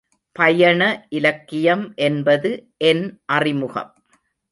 பயண இலக்கியம் என்பது என் அறிமுகம்.